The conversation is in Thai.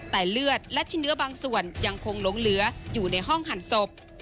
แต่เลือดและชิ้นเนื้อบางส่วนยังคงหลงเหลืออยู่ในห้องหั่นศพ